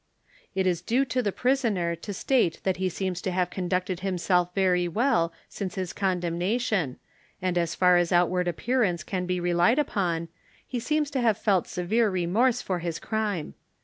It is due to the prisoner to state that he seems to have conducted himself very well since his condemnation, and as far as outward appearance can be relied upon, he seems to have felt severe remorse for his crime.